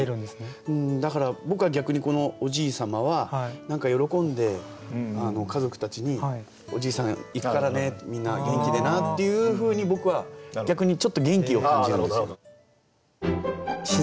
だから僕は逆にこのおじい様は喜んで家族たちに「おじいさんいくからねみんな元気でな」っていうふうに僕は逆にちょっと元気を感じるんですよね。